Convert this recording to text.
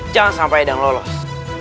jangan sampai ada yang lolos